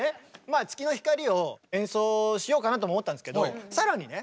まあ「月の光」を演奏しようかなとも思ったんですけど更にね